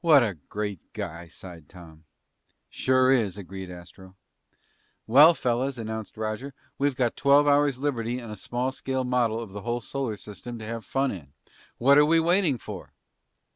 "What a great guy," sighed Tom. "Sure is," agreed Astro. "Well, fellas," announced Roger, "we've got twelve hours liberty and a small scale model of the whole solar system to have fun in! What're we waiting for?"